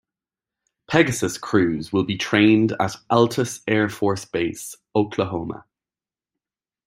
Pegasus crews will be trained at Altus Air Force Base, Oklahoma.